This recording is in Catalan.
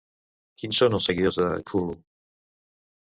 Quins són els seguidors de Cthulhu?